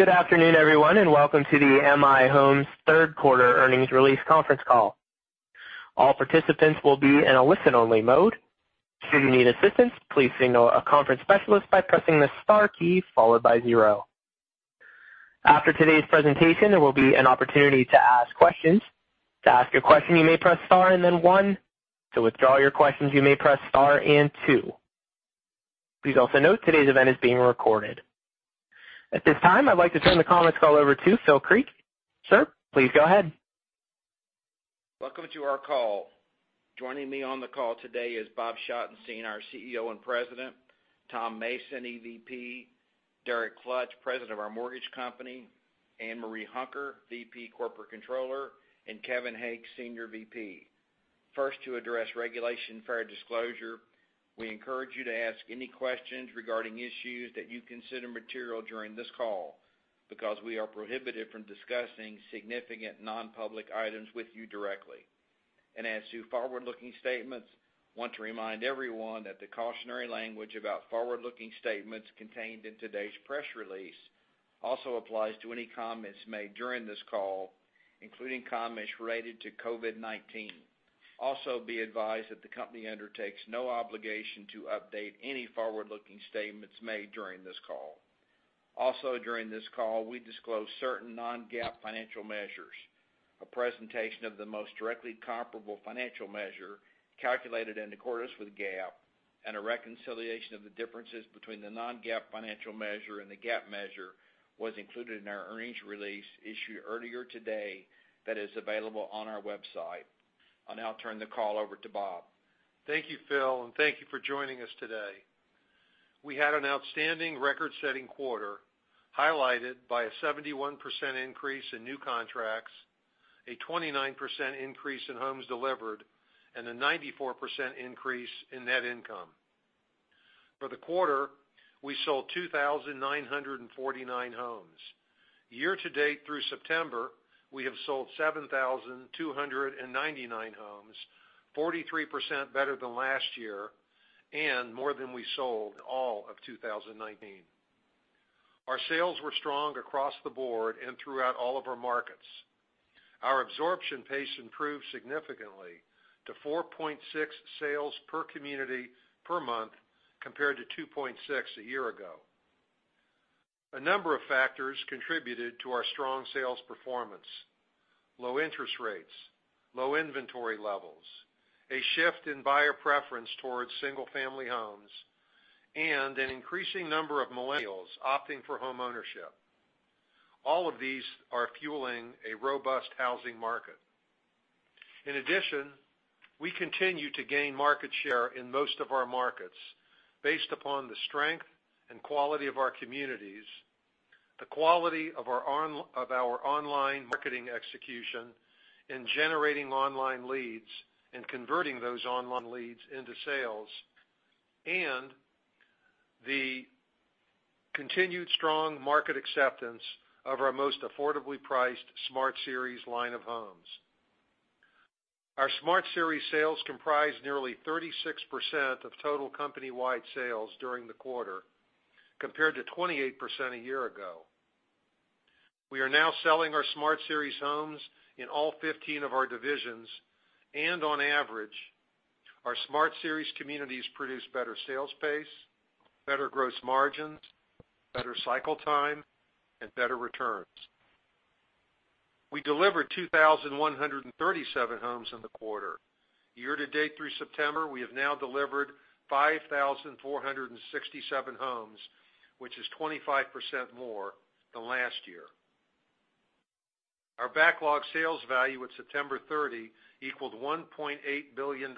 Good afternoon, everyone, and welcome to the M/I Homes third quarter earnings release conference call. All participants will be in a listen-only mode. Should you need assistance, please signal a conference specialist by pressing the star key followed by zero. After today's presentation, there will be an opportunity to ask questions. To ask a question, you may press star and then one. To withdraw your questions, you may press star and two. Please also note today's event is being recorded. At this time, I'd like to turn the conference call over to Phil Creek. Sir, please go ahead. Welcome to our call. Joining me on the call today is Bob Schottenstein, our CEO and President, Tom Mason, EVP, Derek Klutch, President of our mortgage company, Ann Marie Hunker, Vice President, Corporate Controller, and Kevin Hake, Senior VP. First, to address Regulation Fair Disclosure, we encourage you to ask any questions regarding issues that you consider material during this call, because we are prohibited from discussing significant non-public items with you directly. As to forward-looking statements, I want to remind everyone that the cautionary language about forward-looking statements contained in today's press release also applies to any comments made during this call, including comments related to COVID-19. Be advised that the company undertakes no obligation to update any forward-looking statements made during this call. During this call, we disclose certain non-GAAP financial measures. A presentation of the most directly comparable financial measure calculated into quarters with GAAP and a reconciliation of the differences between the non-GAAP financial measure and the GAAP measure was included in our earnings release issued earlier today that is available on our website. I'll now turn the call over to Bob. Thank you, Phil, and thank you for joining us today. We had an outstanding record-setting quarter, highlighted by a 71% increase in new contracts, a 29% increase in homes delivered, and a 94% increase in net income. For the quarter, we sold 2,949 homes. Year-to-date through September, we have sold 7,299 homes, 43% better than last year and more than we sold in all of 2019. Our sales were strong across the board and throughout all of our markets. Our absorption pace improved significantly to 4.6 sales per community per month, compared to 2.6 a year ago. A number of factors contributed to our strong sales performance. Low interest rates, low inventory levels, a shift in buyer preference towards single-family homes, and an increasing number of millennials opting for homeownership. All of these are fueling a robust housing market. In addition, we continue to gain market share in most of our markets based upon the strength and quality of our communities, the quality of our online marketing execution in generating online leads and converting those online leads into sales, and the continued strong market acceptance of our most affordably priced Smart Series line of homes. Our Smart Series sales comprised nearly 36% of total company-wide sales during the quarter, compared to 28% a year ago. We are now selling our Smart Series homes in all 15 of our divisions, and on average, our Smart Series communities produce better sales pace, better gross margins, better cycle time, and better returns. We delivered 2,137 homes in the quarter. Year-to-date through September, we have now delivered 5,467 homes, which is 25% more than last year. Our backlog sales value at September 30 equaled $1.8 billion, an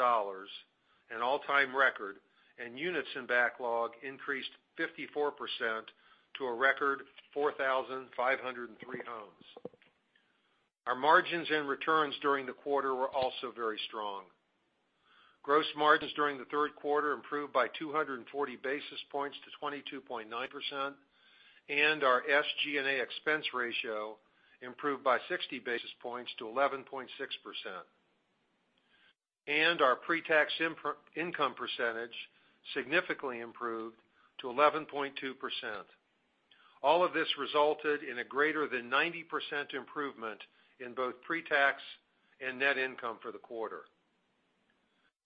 all-time record, and units in backlog increased 54% to a record 4,503 homes. Our margins and returns during the quarter were also very strong. Gross margins during the third quarter improved by 240 basis points to 22.9%, and our SG&A expense ratio improved by 60 basis points to 11.6%. Our pre-tax income percentage significantly improved to 11.2%. All of this resulted in a greater than 90% improvement in both pre-tax and net income for the quarter.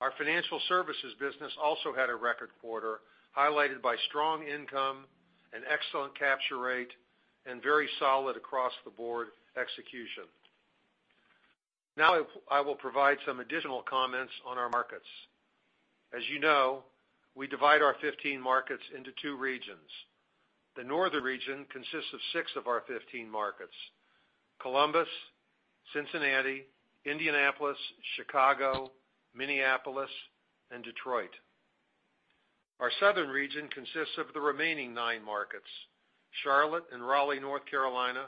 Our financial services business also had a record quarter, highlighted by strong income, an excellent capture rate, and very solid across-the-board execution. Now I will provide some additional comments on our markets. As you know, we divide our 15 markets into two regions. The Northern region consists of six of our 15 markets. Columbus, Cincinnati, Indianapolis, Chicago, Minneapolis, and Detroit. Our Southern region consists of the remaining nine markets. Charlotte and Raleigh, North Carolina,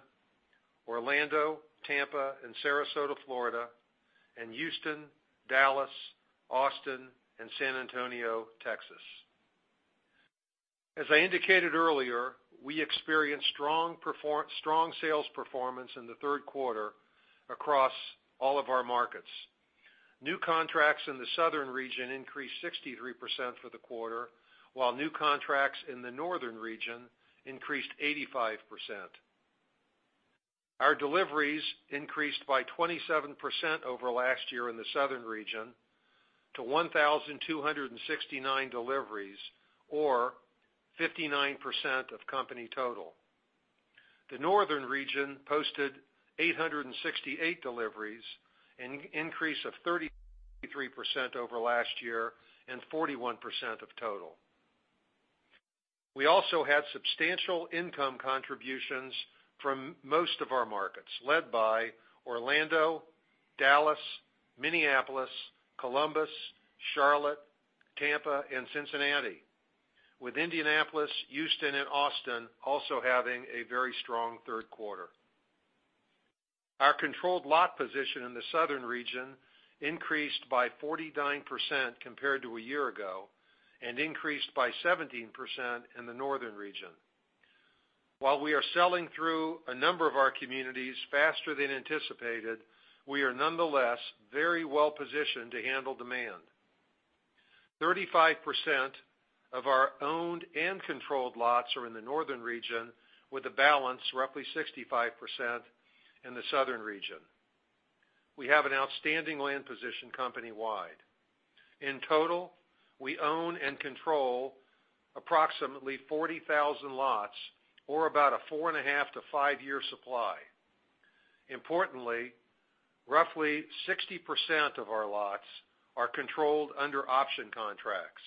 Orlando, Tampa, and Sarasota, Florida, and Houston, Dallas, Austin, and San Antonio, Texas. As I indicated earlier, we experienced strong sales performance in the third quarter across all of our markets New contracts in the Southern region increased 63% for the quarter, while new contracts in the Northern region increased 85%. Our deliveries increased by 27% over last year in the Southern region to 1,269 deliveries, or 59% of company total. The Northern region posted 868 deliveries, an increase of 33% over last year and 41% of total. We also had substantial income contributions from most of our markets, led by Orlando, Dallas, Minneapolis, Columbus, Charlotte, Tampa, and Cincinnati, with Indianapolis, Houston, and Austin also having a very strong third quarter. Our controlled lot position in the Southern region increased by 49% compared to a year ago, and increased by 17% in the Northern region. While we are selling through a number of our communities faster than anticipated, we are nonetheless very well-positioned to handle demand. 35% of our owned and controlled lots are in the Northern region, with a balance roughly 65% in the Southern region. We have an outstanding land position company-wide. In total, we own and control approximately 40,000 lots or about a four and a half to five-year supply. Importantly, roughly 60% of our lots are controlled under option contracts,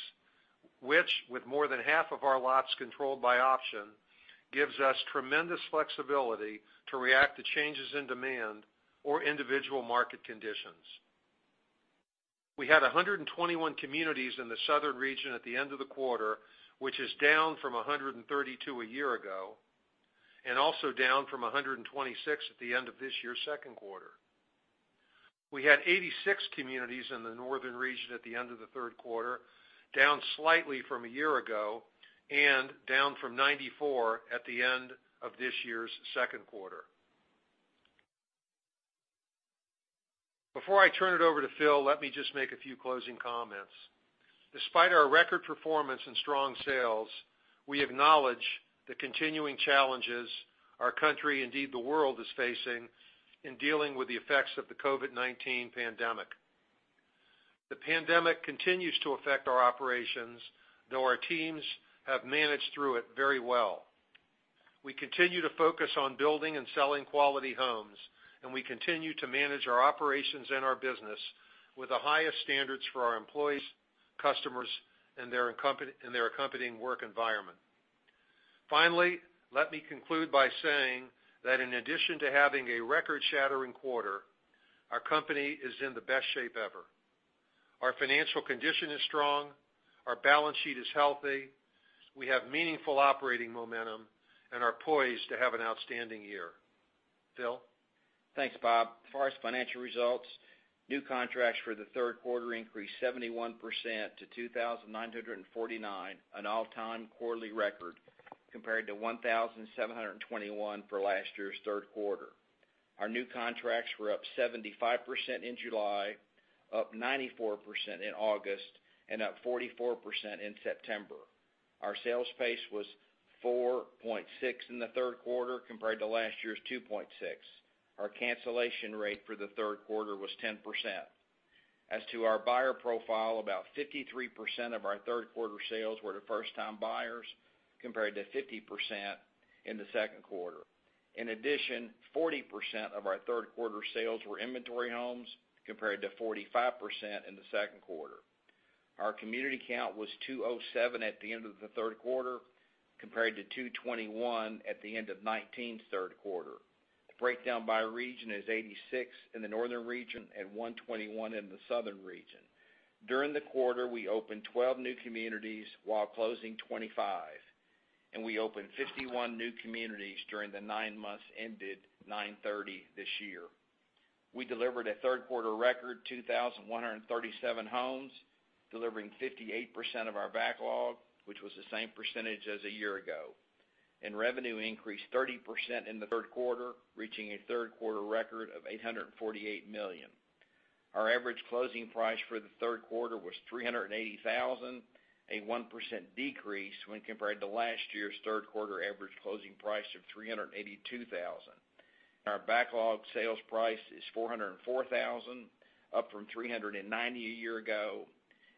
which, with more than half of our lots controlled by option, gives us tremendous flexibility to react to changes in demand or individual market conditions. We had 121 communities in the Southern region at the end of the quarter, which is down from 132 a year ago, and also down from 126 at the end of this year's second quarter. We had 86 communities in the Northern region at the end of the third quarter, down slightly from a year ago and down from 94 at the end of this year's second quarter. Before I turn it over to Phil, let me just make a few closing comments. Despite our record performance and strong sales, we acknowledge the continuing challenges our country, indeed the world, is facing in dealing with the effects of the COVID-19 pandemic. The pandemic continues to affect our operations, though our teams have managed through it very well. We continue to focus on building and selling quality homes, and we continue to manage our operations and our business with the highest standards for our employees, customers, and their accompanying work environment. Finally, let me conclude by saying that in addition to having a record-shattering quarter, our company is in the best shape ever. Our financial condition is strong, our balance sheet is healthy, we have meaningful operating momentum, and are poised to have an outstanding year. Phil? Thanks, Bob. As far as financial results, new contracts for the third quarter increased 71% to 2,949, an all-time quarterly record, compared to 1,721 for last year's third quarter. Our new contracts were up 75% in July, up 94% in August, and up 44% in September. Our sales pace was 4.6 in the third quarter compared to last year's 2.6. Our cancellation rate for the third quarter was 10%. As to our buyer profile, about 53% of our third quarter sales were to first-time buyers compared to 50% in the second quarter. In addition, 40% of our third quarter sales were inventory homes compared to 45% in the second quarter. Our community count was 207 at the end of the third quarter compared to 221 at the end of 2019's third quarter. The breakdown by region is 86 in the Northern region and 121 in the Southern region. During the quarter, we opened 12 new communities while closing 25, and we opened 51 new communities during the nine months ended 9/30/2020. We delivered a third quarter record 2,137 homes, delivering 58% of our backlog, which was the same percentage as a year ago. Revenue increased 30% in the third quarter, reaching a third quarter record of $848 million. Our average closing price for the third quarter was $380,000, a 1% decrease when compared to last year's third quarter average closing price of $382,000. Our backlog sales price is $404,000, up from $390,000 a year ago,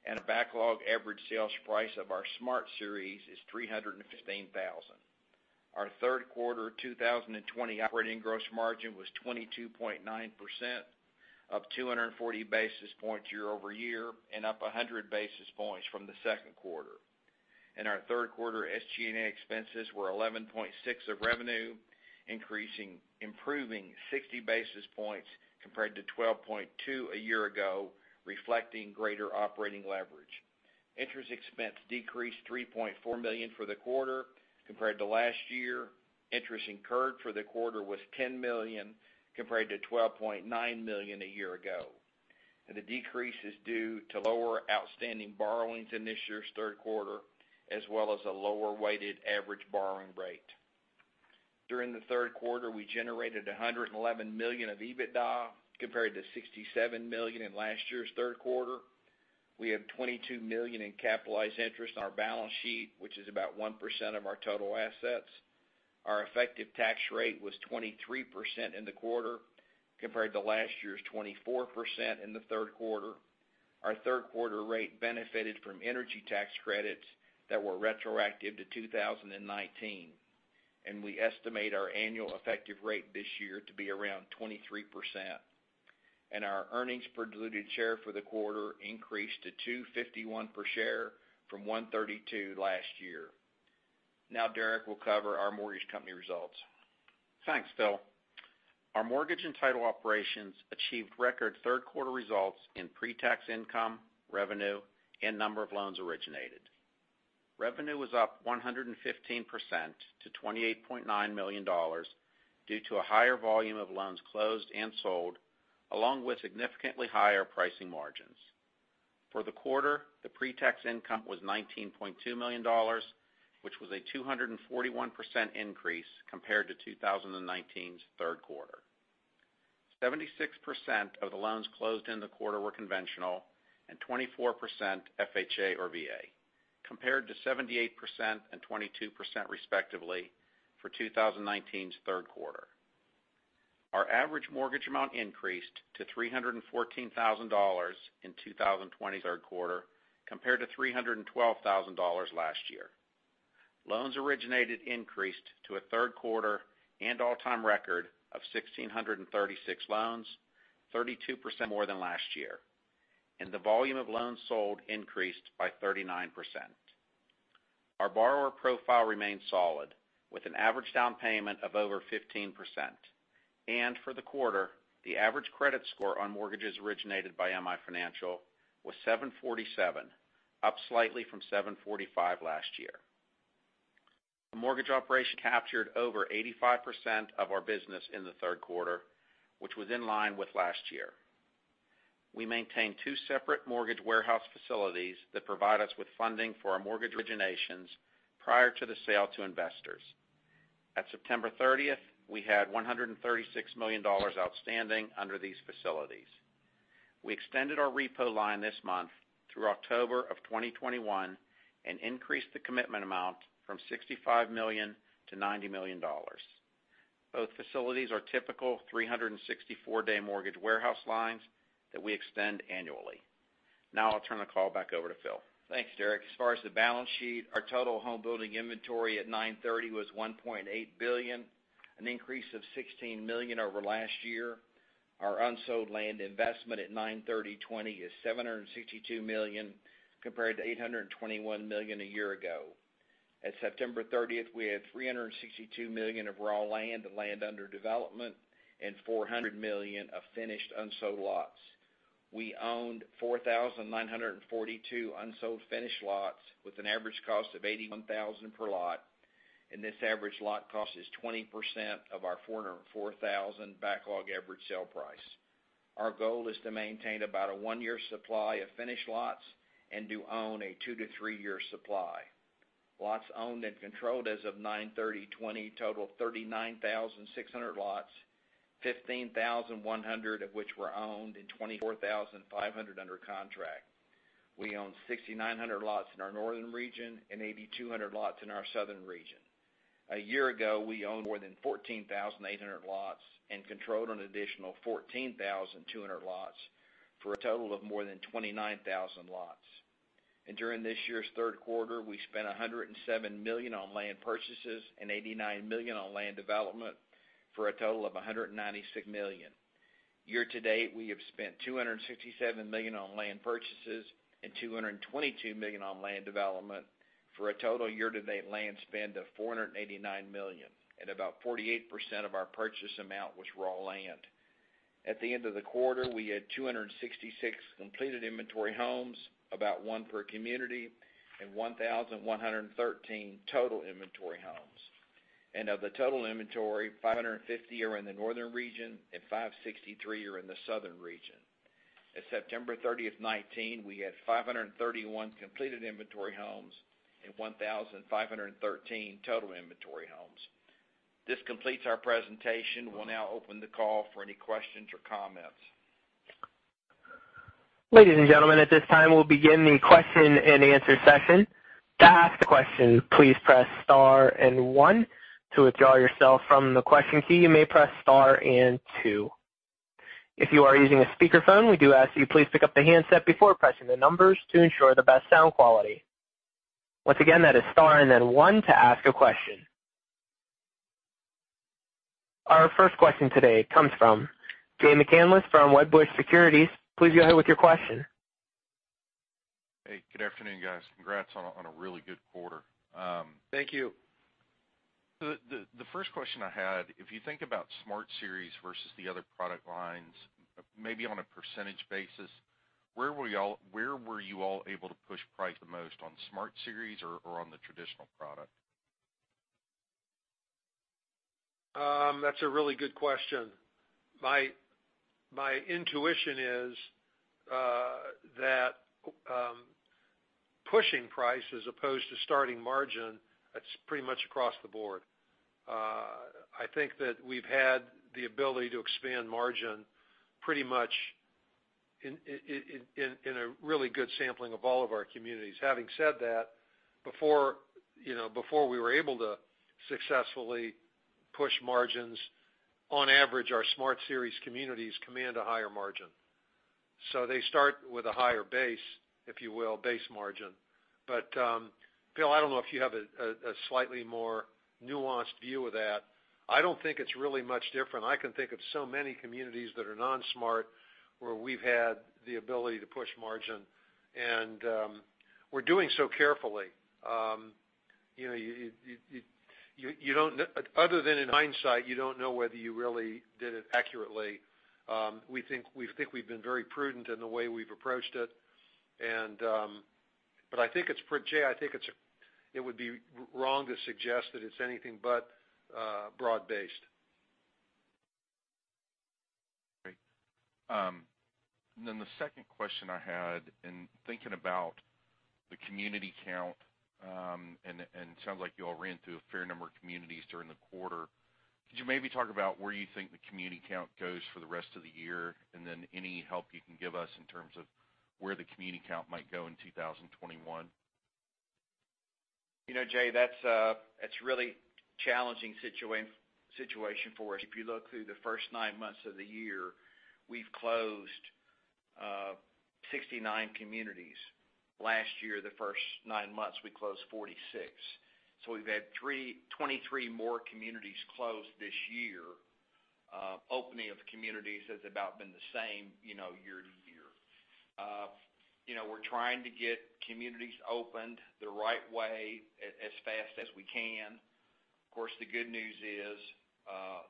and a backlog average sales price of our Smart Series is $315,000. Our third quarter 2020 operating gross margin was 22.9%, up 240 basis points year-over-year and up 100 basis points from the second quarter. Our third quarter SG&A expenses were 11.6% of revenue, improving 60 basis points compared to 12.2% a year ago, reflecting greater operating leverage. Interest expense decreased $3.4 million for the quarter compared to last year. Interest incurred for the quarter was $10 million compared to $12.9 million a year ago, the decrease is due to lower outstanding borrowings in this year's third quarter, as well as a lower weighted average borrowing rate. During the third quarter, we generated $111 million of EBITDA compared to $67 million in last year's third quarter. We have $22 million in capitalized interest on our balance sheet, which is about 1% of our total assets. Our effective tax rate was 23% in the quarter compared to last year's 24% in the third quarter. Our third quarter rate benefited from energy tax credits that were retroactive to 2019, we estimate our annual effective rate this year to be around 23%. Our earnings per diluted share for the quarter increased to $2.51 per share from $1.32 last year. Derek will cover our mortgage company results. Thanks, Phil. Our mortgage and title operations achieved record third quarter results in pre-tax income, revenue, and number of loans originated. Revenue was up 115% to $28.9 million due to a higher volume of loans closed and sold, along with significantly higher pricing margins. For the quarter, the pre-tax income was $19.2 million, which was a 241% increase compared to 2019's third quarter. 76% of the loans closed in the quarter were conventional and 24% FHA or VA, compared to 78% and 22% respectively for 2019's third quarter. Our average mortgage amount increased to $314,000 in 2020's third quarter compared to $312,000 last year. Loans originated increased to a third quarter and all-time record of 1,636 loans, 32% more than last year, the volume of loans sold increased by 39%. Our borrower profile remained solid with an average down payment of over 15%. For the quarter, the average credit score on mortgages originated by M/I Financial was 747, up slightly from 745 last year. The mortgage operation captured over 85% of our business in the third quarter, which was in line with last year. We maintain two separate mortgage warehouse facilities that provide us with funding for our mortgage originations prior to the sale to investors. At September 30th, we had $136 million outstanding under these facilities. We extended our repo line this month through October of 2021 and increased the commitment amount from $65 million to $90 million. Both facilities are typical 364-day mortgage warehouse lines that we extend annually. I'll turn the call back over to Phil. Thanks, Derek. As far as the balance sheet, our total home building inventory at 9/30 was $1.8 billion, an increase of $16 million over last year. Our unsold land investment at 9/30/2020 is $762 million, compared to $821 million a year ago. At September 30th, we had $362 million of raw land and land under development and $400 million of finished unsold lots. We owned 4,942 unsold finished lots with an average cost of $81,000 per lot, and this average lot cost is 20% of our 404,000 backlog average sale price. Our goal is to maintain about a one-year supply of finished lots and to own a two- to three-year supply. Lots owned and controlled as of 9/30/2020 total 39,600 lots, 15,100 of which were owned and 24,500 under contract. We own 6,900 lots in our northern region and 8,200 lots in our southern region. A year ago, we owned more than 14,800 lots and controlled an additional 14,200 lots for a total of more than 29,000 lots. During this year's third quarter, we spent $107 million on land purchases and $89 million on land development, for a total of $196 million. Year to date, we have spent $267 million on land purchases and $222 million on land development, for a total year-to-date land spend of $489 million, and about 48% of our purchase amount was raw land. At the end of the quarter, we had 266 completed inventory homes, about one per community, and 1,113 total inventory homes. Of the total inventory, 550 are in the northern region and 563 are in the southern region. At September 30th, 2019, we had 531 completed inventory homes and 1,513 total inventory homes. This completes our presentation. We'll now open the call for any questions or comments. Ladies and gentlemen, at this time, we'll begin the question-and-answer session. To ask a question, please press star and one. To withdraw yourself from the question queue, you may press star and two. If you are using a speakerphone, we do ask that you please pick up the handset before pressing the numbers to ensure the best sound quality. Once again, that is star and then one to ask a question. Our first question today comes from Jay McCanless from Wedbush Securities. Please go ahead with your question. Hey, good afternoon, guys. Congrats on a really good quarter. Thank you. The first question I had, if you think about Smart Series versus the other product lines, maybe on a percentage basis, where were you all able to push price the most, on Smart Series or on the traditional product? That's a really good question. My intuition. Pushing price as opposed to starting margin, that's pretty much across the board. I think that we've had the ability to expand margin pretty much in a really good sampling of all of our communities. Having said that, before we were able to successfully push margins, on average, our Smart Series communities command a higher margin. They start with a higher base, if you will, base margin. Phil, I don't know if you have a slightly more nuanced view of that. I don't think it's really much different. I can think of so many communities that are non-Smart where we've had the ability to push margin, and we're doing so carefully. Other than in hindsight, you don't know whether you really did it accurately. We think we've been very prudent in the way we've approached it. Jay, I think it would be wrong to suggest that it's anything but broad-based. Great. The second question I had, in thinking about the community count, and it sounds like you all ran through a fair number of communities during the quarter. Could you maybe talk about where you think the community count goes for the rest of the year, and any help you can give us in terms of where the community count might go in 2021? Jay, that's really challenging situation for us. If you look through the first nine months of the year, we've closed 69 communities. Last year, the first nine months, we closed 46. We've had 23 more communities closed this year. Opening of communities has about been the same year to year. We're trying to get communities opened the right way, as fast as we can. Of course, the good news is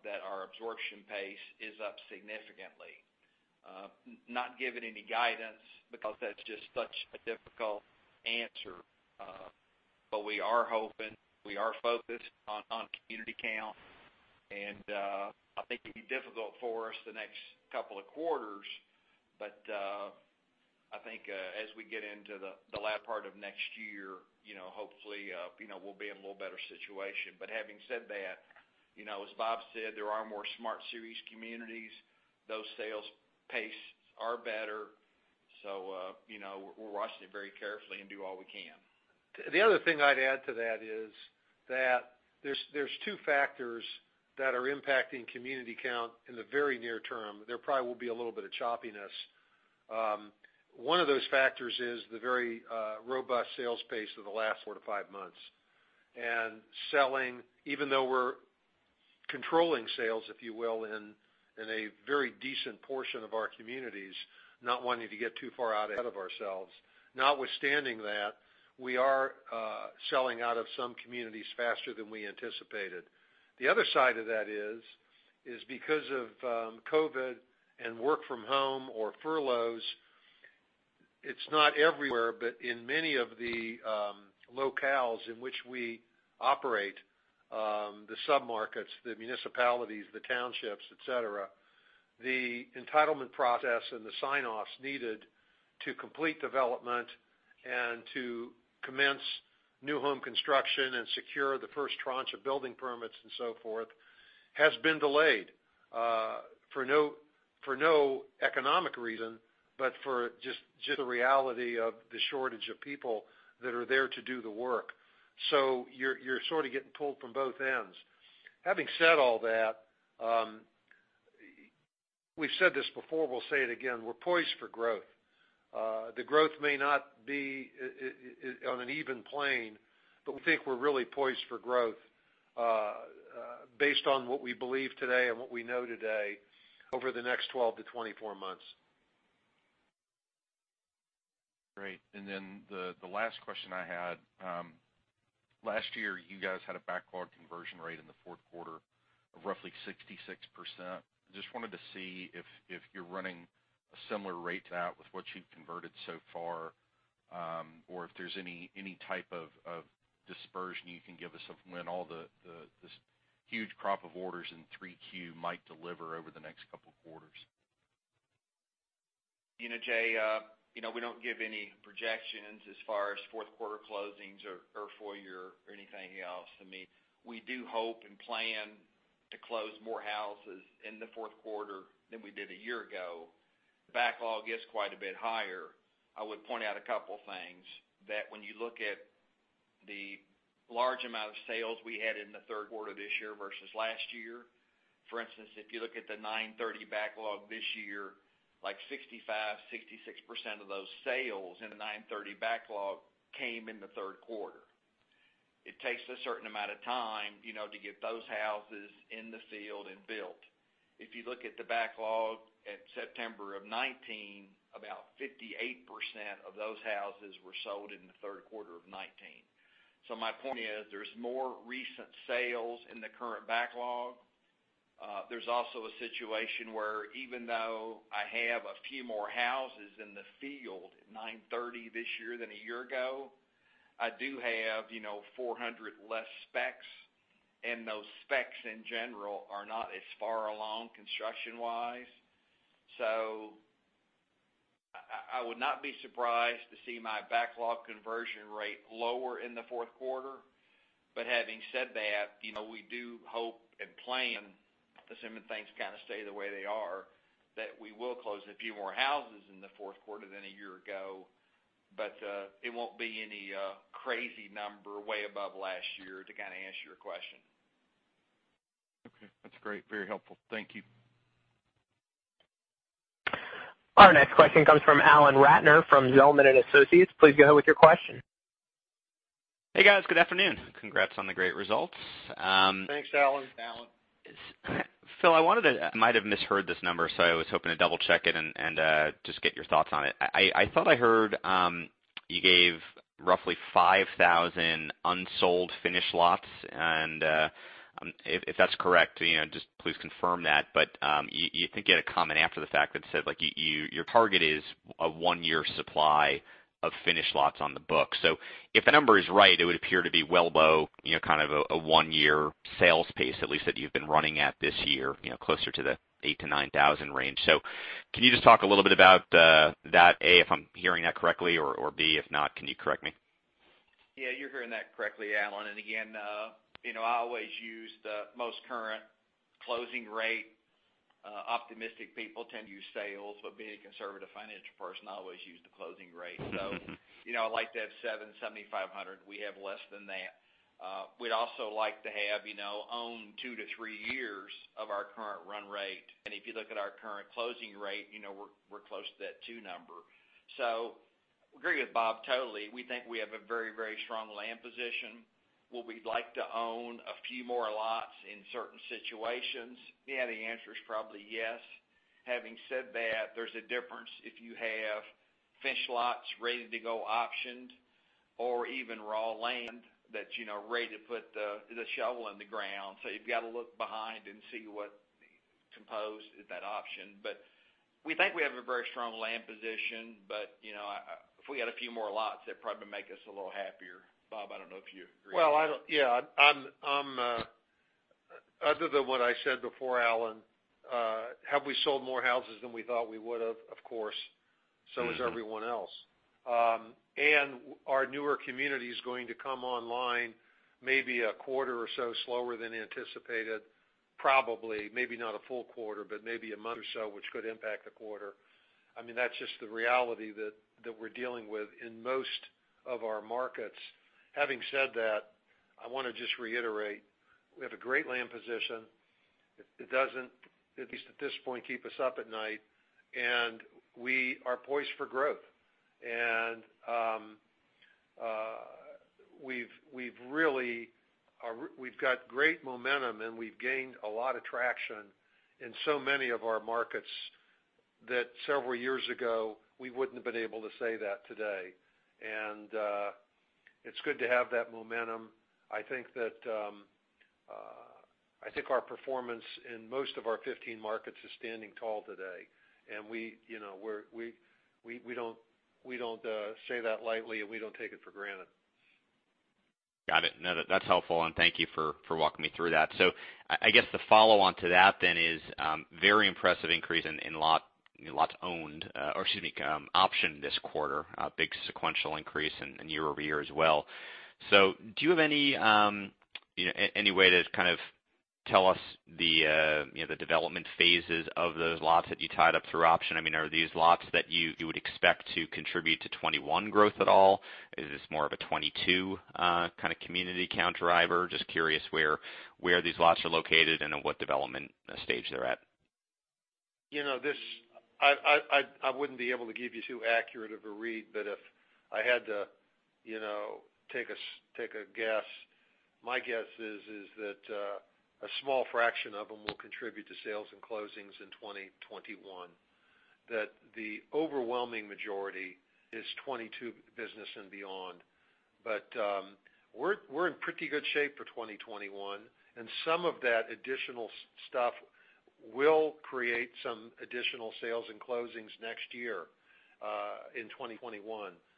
that our absorption pace is up significantly. Not giving any guidance because that's just such a difficult answer. We are hoping, we are focused on community count, and I think it'd be difficult for us the next couple of quarters. I think as we get into the latter part of next year, hopefully, we'll be in a little better situation. Having said that, as Bob said, there are more Smart Series communities. Those sales paces are better. We're watching it very carefully and do all we can. The other thing I'd add to that is that there's two factors that are impacting community count in the very near term. There probably will be a little bit of choppiness. One of those factors is the very robust sales pace of the last four to five months. Selling, even though we're controlling sales, if you will, in a very decent portion of our communities, not wanting to get too far out ahead of ourselves. Notwithstanding that, we are selling out of some communities faster than we anticipated. The other side of that is because of COVID and work from home or furloughs, it's not everywhere, but in many of the locales in which we operate, the sub-markets, the municipalities, the townships, et cetera, the entitlement process and the sign-offs needed to complete development and to commence new home construction and secure the first tranche of building permits and so forth, has been delayed. For no economic reason, but for just the reality of the shortage of people that are there to do the work. You're sort of getting pulled from both ends. Having said all that, we've said this before, we'll say it again, we're poised for growth. The growth may not be on an even plane, but we think we're really poised for growth based on what we believe today and what we know today over the next 12 to 24 months. Great. The last question I had. Last year, you guys had a backlog conversion rate in the fourth quarter of roughly 66%. I just wanted to see if you're running a similar rate to that with what you've converted so far, or if there's any type of dispersion you can give us of when all this huge crop of orders in 3Q might deliver over the next couple of quarters. Jay, we don't give any projections as far as fourth quarter closings or full year or anything else. I mean, we do hope and plan to close more houses in the fourth quarter than we did a year ago. Backlog is quite a bit higher. I would point out a couple things, that when you look at the large amount of sales we had in the third quarter of this year versus last year. For instance, if you look at the 930 backlog this year, like 65%-66% of those sales in the 930 backlog came in the third quarter. It takes a certain amount of time to get those houses in the field and built. If you look at the backlog at September of 2019, about 58% of those houses were sold in the third quarter of 2019. My point is, there's more recent sales in the current backlog. There's also a situation where even though I have a few more houses in the field, 930 this year than a year ago, I do have 400 less specs, and those specs in general are not as far along construction-wise. I would not be surprised to see my backlog conversion rate lower in the fourth quarter. Having said that, we do hope and plan, assuming things kind of stay the way they are, that we will close a few more houses in the fourth quarter than a year ago. It won't be any crazy number way above last year to kind of answer your question. Okay. That's great. Very helpful. Thank you. Our next question comes from Alan Ratner from Zelman & Associates. Please go ahead with your question. Hey, guys. Good afternoon. Congrats on the great results. Thanks, Alan. Alan. Phil, I might have misheard this number, I was hoping to double-check it and just get your thoughts on it. I thought I heard you gave roughly 5,000 unsold finished lots, and if that's correct, just please confirm that. I think you had a comment after the fact that said your target is a one-year supply of finished lots on the books. If the number is right, it would appear to be well below a one-year sales pace, at least, that you've been running at this year, closer to the 8,000-9,000 range. Can you just talk a little bit about that, A, if I'm hearing that correctly, or B, if not, can you correct me? Yeah, you're hearing that correctly, Alan. Again, I always use the most current closing rate. Optimistic people tend to use sales, being a conservative financial person, I always use the closing rate. I like to have 7,500. We have less than that. We'd also like to have own 2-3 years of our current run rate. If you look at our current closing rate, we're close to that two number. Agree with Bob totally. We think we have a very strong land position. Would we like to own a few more lots in certain situations? Yeah. The answer is probably yes. Having said that, there's a difference if you have finished lots ready to go optioned or even raw land that's ready to put the shovel in the ground. You've got to look behind and see what composes that option. We think we have a very strong land position, but if we had a few more lots, that'd probably make us a little happier. Bob, I don't know if you agree. Well, yeah. Other than what I said before, Alan, have we sold more houses than we thought we would've? Of course. So has everyone else. Our newer community is going to come online maybe a quarter or so slower than anticipated, probably. Maybe not a full quarter, but maybe a month or so, which could impact the quarter. That's just the reality that we're dealing with in most of our markets. Having said that, I want to just reiterate, we have a great land position. It doesn't, at least at this point, keep us up at night, and we are poised for growth. We've got great momentum, and we've gained a lot of traction in so many of our markets that several years ago, we wouldn't have been able to say that today, and it's good to have that momentum. I think our performance in most of our 15 markets is standing tall today, and we don't say that lightly, and we don't take it for granted. Got it. No, that's helpful, and thank you for walking me through that. I guess the follow-on to that then is very impressive increase in lots owned, or excuse me, optioned this quarter. A big sequential increase and year-over-year as well. Do you have any way to kind of tell us the development phases of those lots that you tied up through option? I mean, are these lots that you would expect to contribute to 2021 growth at all? Is this more of a 2022 kind of community count driver? Just curious where these lots are located and at what development stage they're at. I wouldn't be able to give you too accurate of a read, but if I had to take a guess, my guess is that a small fraction of them will contribute to sales and closings in 2021, that the overwhelming majority is 2022 business and beyond. We're in pretty good shape for 2021, and some of that additional stuff will create some additional sales and closings next year in 2021,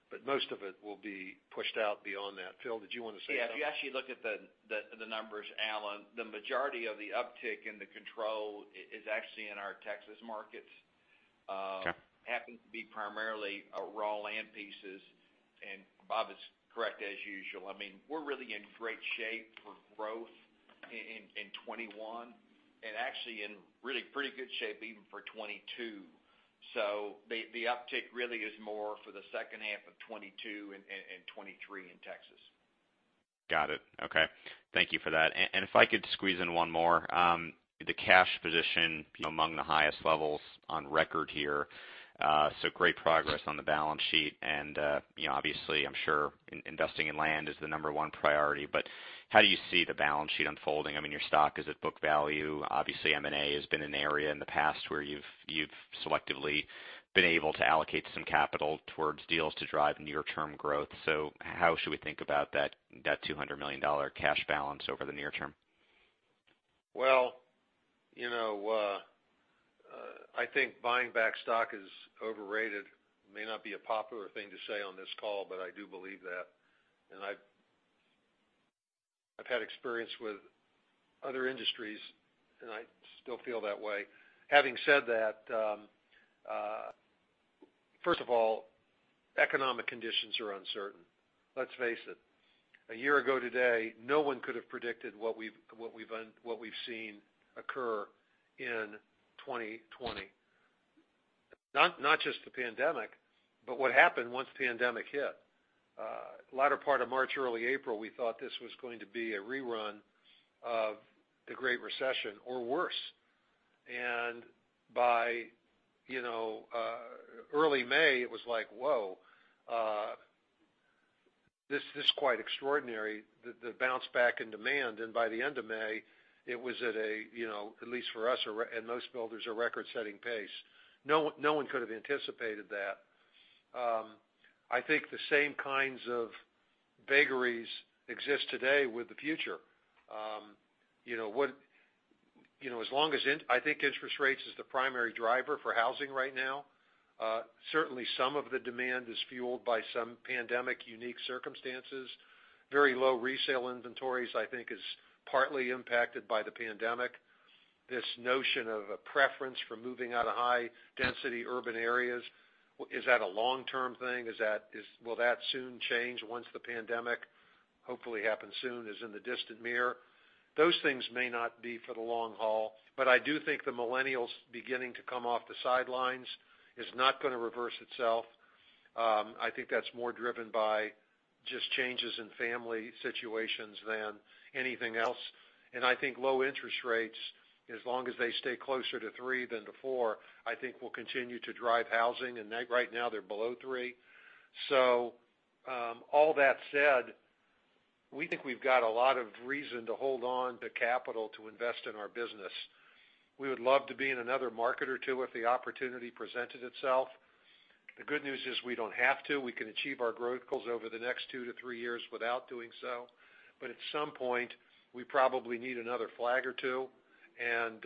but most of it will be pushed out beyond that. Phil, did you want to say something? Yeah. If you actually look at the numbers, Alan, the majority of the uptick in the control is actually in our Texas markets. Okay. Happened to be primarily raw land pieces. Bob is correct as usual. We're really in great shape for growth in 2021, and actually in really pretty good shape even for 2022. The uptick really is more for the second half of 2022 and 2023 in Texas. Got it. Okay. Thank you for that. If I could squeeze in one more. The cash position among the highest levels on record here, great progress on the balance sheet. Obviously, I'm sure investing in land is the number one priority, but how do you see the balance sheet unfolding? Your stock is at book value. Obviously, M&A has been an area in the past where you've selectively been able to allocate some capital towards deals to drive near-term growth. How should we think about that $200 million cash balance over the near term? I think buying back stock is overrated. May not be a popular thing to say on this call, but I do believe that, I've had experience with other industries, and I still feel that way. Having said that, first of all, economic conditions are uncertain. Let's face it, a year ago today, no one could have predicted what we've seen occur in 2020. Not just the pandemic, but what happened once the pandemic hit. Latter part of March, early April, we thought this was going to be a rerun of the Great Recession, or worse. By early May, it was like, whoa, this is quite extraordinary, the bounce back in demand, and by the end of May, it was at least for us and most builders, a record-setting pace. No one could have anticipated that. I think the same kinds of vagaries exist today with the future. I think interest rates is the primary driver for housing right now. Certainly, some of the demand is fueled by some pandemic-unique circumstances. Very low resale inventories, I think is partly impacted by the pandemic. This notion of a preference for moving out of high-density urban areas, is that a long-term thing? Will that soon change once the pandemic, hopefully happens soon, is in the distant mirror? Those things may not be for the long haul. I do think the millennials beginning to come off the sidelines is not going to reverse itself. I think that's more driven by just changes in family situations than anything else, I think low interest rates, as long as they stay closer to 3% than to 4%, I think will continue to drive housing, and right now they're below 3%. All that said, we think we've got a lot of reason to hold on to capital to invest in our business. We would love to be in another market or two if the opportunity presented itself. The good news is we don't have to. We can achieve our growth goals over the next two to three years without doing so. At some point, we probably need another flag or two, and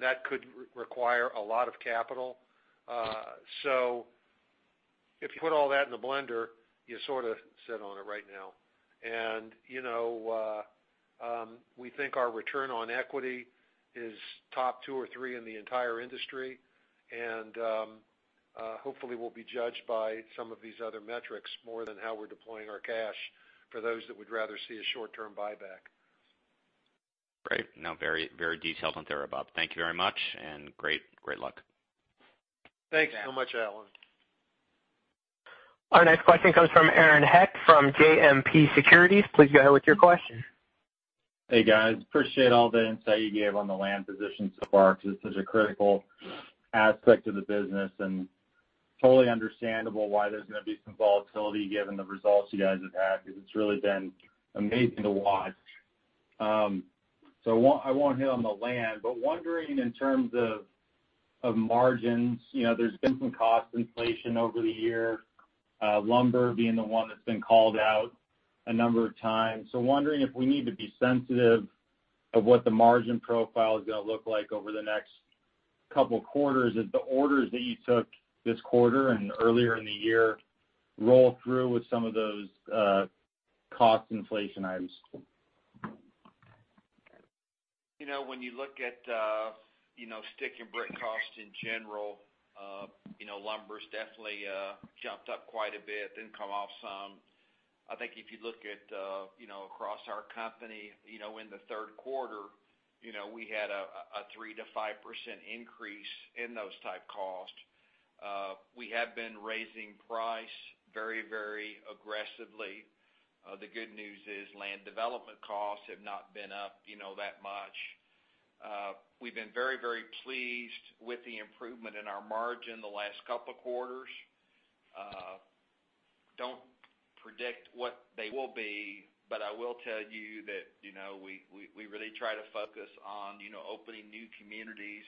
that could require a lot of capital. If you put all that in the blender, you sort of sit on it right now. We think our return on equity is top two or three in the entire industry, and hopefully, we'll be judged by some of these other metrics more than how we're deploying our cash for those that would rather see a short-term buyback. Great. Very detailed on there, Bob. Thank you very much, great luck. Thanks so much, Alan. Our next question comes from Aaron Hecht from JMP Securities. Please go ahead with your question. Hey, guys. Appreciate all the insight you gave on the land position so far because it's such a critical aspect of the business, totally understandable why there's going to be some volatility given the results you guys have had because it's really been amazing to watch. I won't hit on the land, but wondering in terms of margins, there's been some cost inflation over the year, lumber being the one that's been called out a number of times. Wondering if we need to be sensitive of what the margin profile is going to look like over the next couple of quarters as the orders that you took this quarter and earlier in the year roll through with some of those cost inflation items. When you look at stick and brick cost in general, lumber's definitely jumped up quite a bit, then come off some. I think if you look at across our company, in the third quarter, we had a 3%-5% increase in those type costs. We have been raising price very aggressively. The good news is land development costs have not been up that much. We've been very pleased with the improvement in our margin the last couple of quarters. Don't predict what they will be, but I will tell you that we really try to focus on opening new communities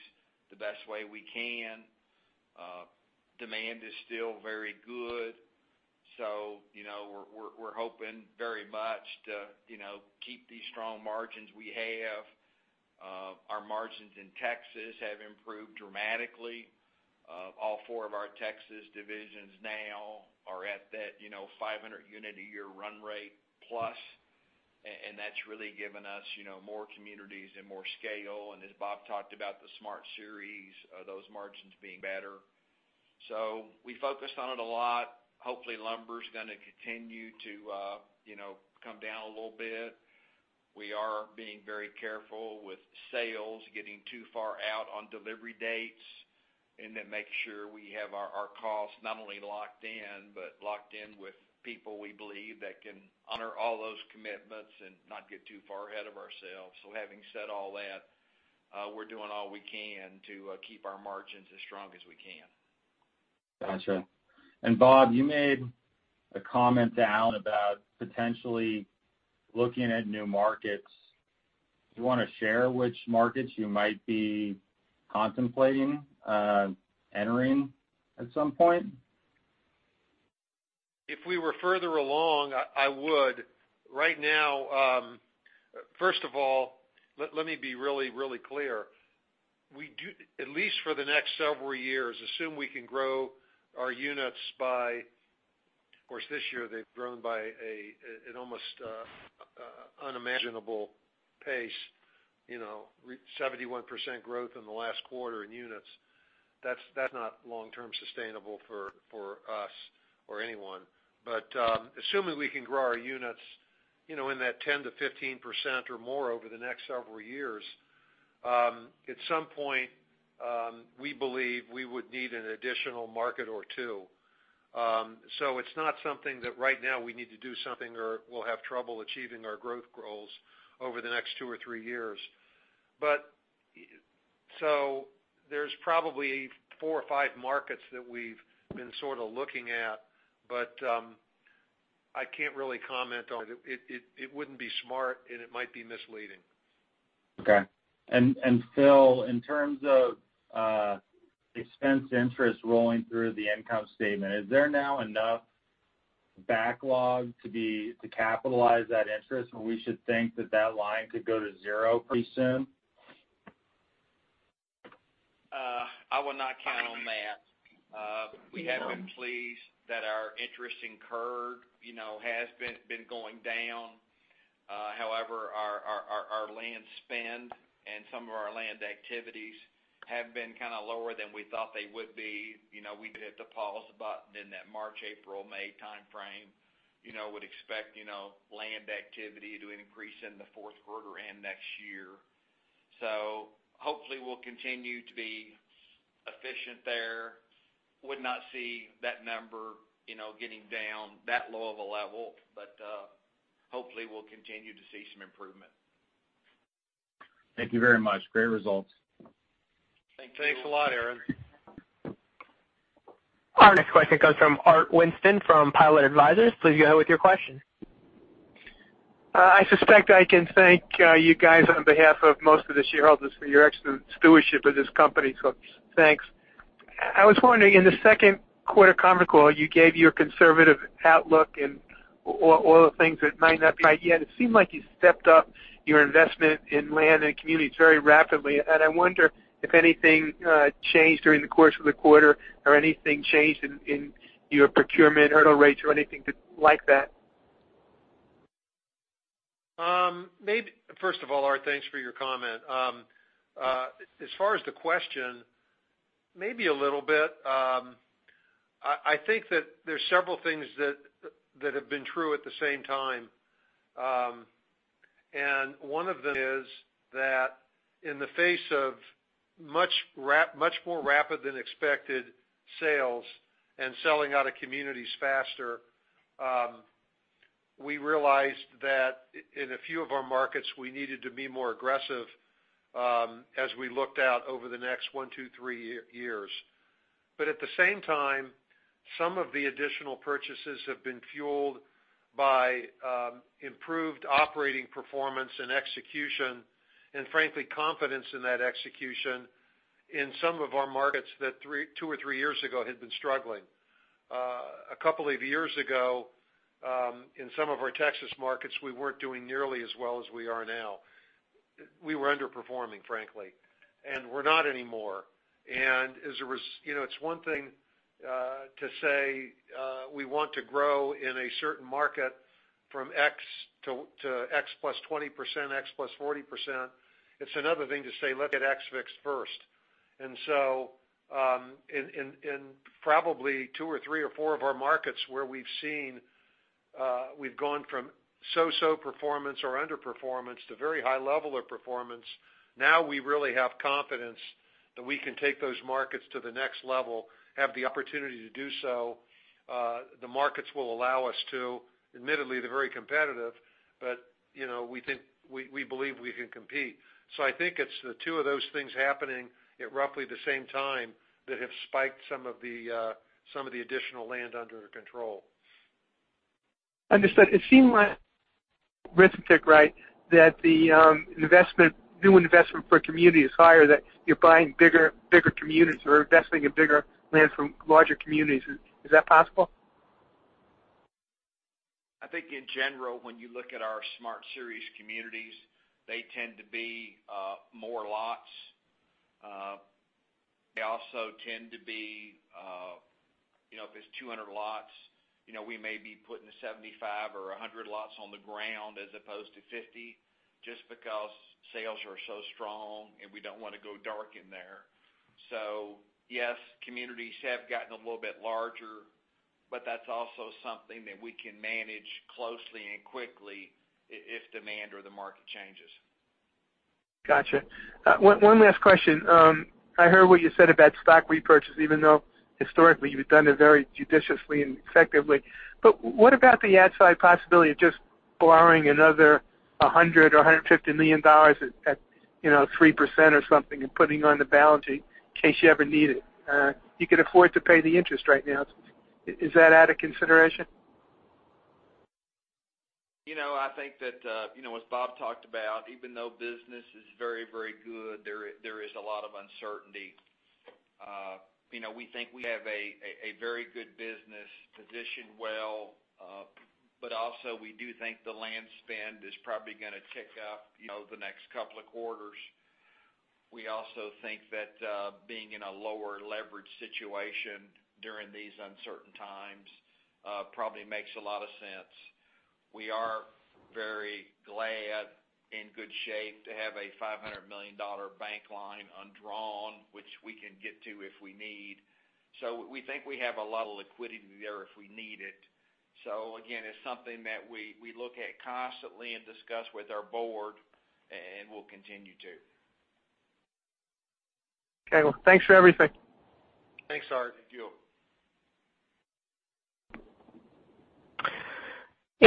the best way we can. Demand is still very good, we're hoping very much to keep these strong margins we have. Our margins in Texas have improved dramatically. All four of our Texas divisions now are at that 500-unit-a-year run rate plus, that's really given us more communities and more scale, and as Bob talked about the Smart Series, those margins being better. We focus on it a lot. Hopefully, lumber's going to continue to come down a little bit. We are being very careful with sales getting too far out on delivery dates, make sure we have our costs not only locked in, but locked in with people we believe that can honor all those commitments and not get too far ahead of ourselves. Having said all that, we're doing all we can to keep our margins as strong as we can. Got you. Bob, you made a comment down about potentially looking at new markets. Do you want to share which markets you might be contemplating entering at some point? If we were further along, I would. Right now, first of all, let me be really clear. At least for the next several years, assume we can grow our units by Of course, this year they've grown by an almost unimaginable pace, 71% growth in the last quarter in units. That's not long-term sustainable for us or anyone. Assuming we can grow our units in that 10%-15% or more over the next several years, at some point, we believe we would need an additional market or two. It's not something that right now we need to do something, or we'll have trouble achieving our growth goals over the next two or three years. There's probably four or five markets that we've been looking at, I can't really comment on it. It wouldn't be smart, and it might be misleading. Okay. Phil, in terms of expense interest rolling through the income statement, is there now enough backlog to capitalize that interest, and we should think that that line could go to zero pretty soon? I would not count on that. We have been pleased that our interest incurred has been going down. However, our land spend and some of our land activities have been kind of lower than we thought they would be. We did hit the pause button in that March, April, May timeframe. Would expect land activity to increase in the fourth quarter and next year. Hopefully we'll continue to be efficient there. Would not see that number getting down that low of a level, hopefully we'll continue to see some improvement. Thank you very much. Great results. Thanks a lot, Aaron. Our next question comes from Art Winston from Pilot Advisors. Please go ahead with your question. I suspect I can thank you guys on behalf of most of the shareholders for your excellent stewardship of this company. So thanks. I was wondering, in the second quarter conference call, you gave your conservative outlook and all the things that might not be. It seemed like you stepped up your investment in land and communities very rapidly. I wonder if anything changed during the course of the quarter or anything changed in your procurement hurdle rates or anything like that. First of all, Art, thanks for your comment. As far as the question, maybe a little bit. I think that there's several things that have been true at the same time. One of them is that in the face of much more rapid than expected sales and selling out of communities faster, we realized that in a few of our markets, we needed to be more aggressive as we looked out over the next one, two, three years. At the same time, some of the additional purchases have been fueled by improved operating performance and execution, and frankly, confidence in that execution in some of our markets that two or three years ago had been struggling. A couple of years ago, in some of our Texas markets, we weren't doing nearly as well as we are now. We were underperforming, frankly, and we're not anymore. It's one thing to say we want to grow in a certain market from X to X plus 20%, X plus 40%. It's another thing to say, look at X fixed first. In probably two or three or four of our markets where we've gone from so-so performance or underperformance to very high level of performance, now we really have confidence that we can take those markets to the next level, have the opportunity to do so. The markets will allow us to. Admittedly, they're very competitive, but we believe we can compete. I think it's the two of those things happening at roughly the same time that have spiked some of the additional land under control. Understood. It seemed realistic, right, that the new investment per community is higher, that you're buying bigger communities or investing in bigger land from larger communities. Is that possible? I think in general, when you look at our Smart Series communities, they tend to be more lots. They also tend to be, if it's 200 lots, we may be putting 75 or 100 lots on the ground as opposed to 50, just because sales are so strong, and we don't want to go dark in there. Yes, communities have gotten a little bit larger, but that's also something that we can manage closely and quickly if demand or the market changes. Got you. One last question. I heard what you said about stock repurchase, even though historically you've done it very judiciously and effectively. What about the outside possibility of just borrowing another $100 million or $150 million at 3% or something and putting it on the balance sheet in case you ever need it? You could afford to pay the interest right now. Is that out of consideration? I think that as Bob talked about, even though business is very, very good, there is a lot of uncertainty. We think we have a very good business, positioned well, but also we do think the land spend is probably going to tick up the next couple of quarters. We also think that being in a lower leverage situation during these uncertain times probably makes a lot of sense. We are very glad, in good shape to have a $500 million bank line undrawn, which we can get to if we need. Again, it's something that we look at constantly and discuss with our board, and will continue to. Okay. Well, thanks for everything. Thanks, Art. Thank you.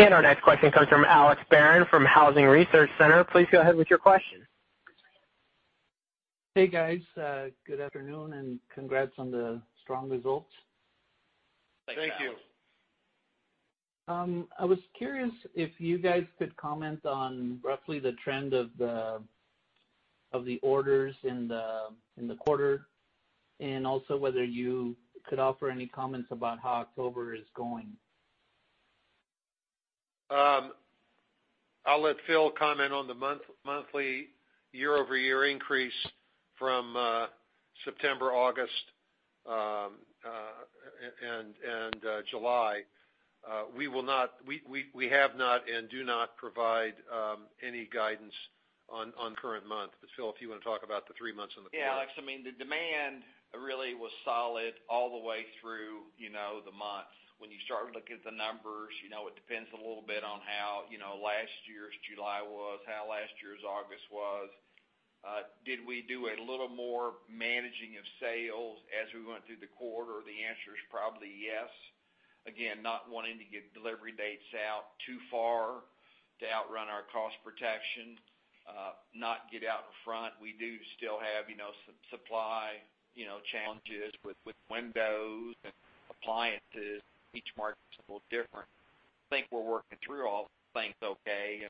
Our next question comes from Alex Barron from Housing Research Center. Please go ahead with your question. Hey guys. Good afternoon, and congrats on the strong results. Thank you. Thank you. I was curious if you guys could comment on roughly the trend of the orders in the quarter, and also whether you could offer any comments about how October is going. I'll let Phil comment on the monthly year-over-year increase from September, August, and July. We have not, and do not provide any guidance on current month. Phil, if you want to talk about the three months in the quarter. Yeah, Alex, the demand really was solid all the way through the month. When you start to look at the numbers, it depends a little bit on how last year's July was, how last year's August was. Did we do a little more managing of sales as we went through the quarter? The answer is probably yes. Again, not wanting to give delivery dates out too far to outrun our cost protection, not get out in front. We do still have some supply challenges with windows and appliances. Each market's a little different. I think we're working through all the things okay,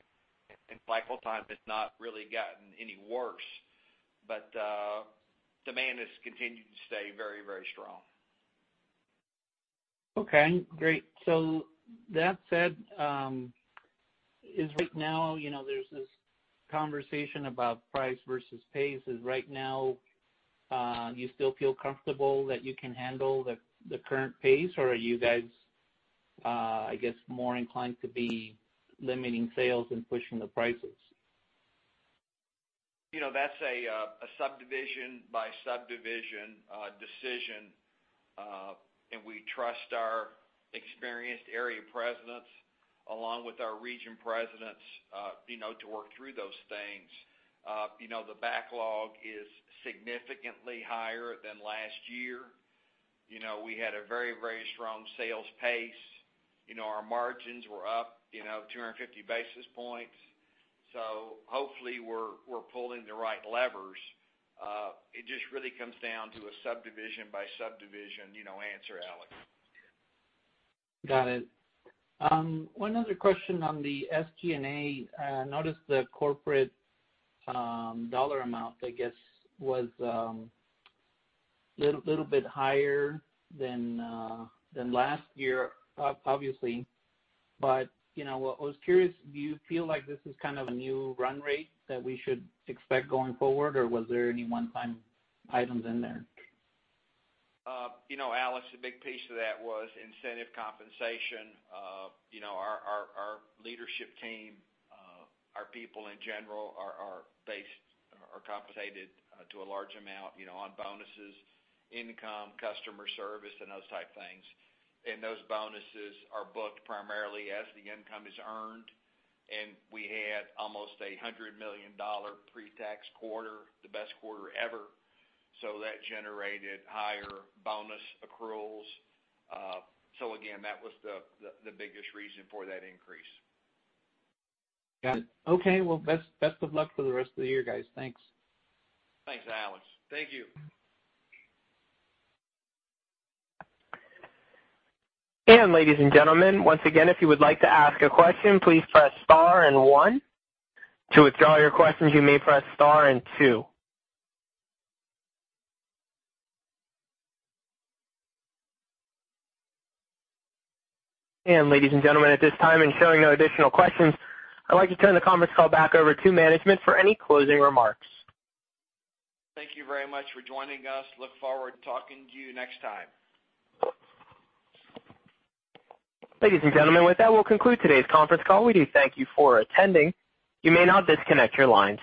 and cycle time has not really gotten any worse. Demand has continued to stay very, very strong. Okay, great. That said, right now there's this conversation about price versus pace. Right now, do you still feel comfortable that you can handle the current pace, or are you guys, I guess, more inclined to be limiting sales and pushing the prices? That's a subdivision by subdivision decision, we trust our experienced area presidents along with our region presidents to work through those things. The backlog is significantly higher than last year. We had a very strong sales pace. Our margins were up 250 basis points. Hopefully we're pulling the right levers. It just really comes down to a subdivision by subdivision answer, Alex. Got it. One other question on the SG&A. I noticed the corporate dollar amount, I guess, was a little bit higher than last year, obviously. I was curious, do you feel like this is kind of a new run rate that we should expect going forward, or was there any one-time items in there? Alex, a big piece of that was incentive compensation. Our leadership team, our people in general are compensated to a large amount on bonuses, income, customer service, and those type things. Those bonuses are booked primarily as the income is earned. We had almost a $100 million pre-tax quarter, the best quarter ever. That generated higher bonus accruals. Again, that was the biggest reason for that increase. Got it. Okay. Well, best of luck for the rest of the year, guys. Thanks. Thanks, Alex. Thank you. Ladies and gentlemen, once again, if you would like to ask a question, please press star and one. To withdraw your question, you may press star and two. Ladies and gentlemen, at this time, in showing no additional questions, I'd like to turn the conference call back over to management for any closing remarks. Thank you very much for joining us. Look forward to talking to you next time. Ladies and gentlemen, with that, we'll conclude today's conference call. We do thank you for attending. You may now disconnect your lines.